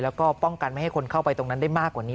แล้วก็ป้องกันไม่ให้คนเข้าไปตรงนั้นได้มากกว่านี้